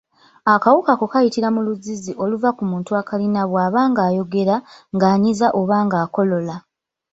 Akawuka ako kayitira mu luzzizzi oluva ku muntu akalina bw’aba ng’ayogera, ng’anyiza oba ng’akolola.